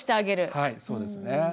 はいそうですね。